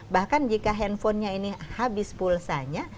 bahkan jika handphonenya ini habis pulsanya